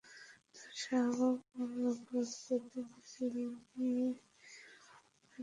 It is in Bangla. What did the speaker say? তাঁরা শাহবাগ মোড় অবরোধ করতে মিছিল নিয়ে এগোলে পুলিশ বাধা দেয়।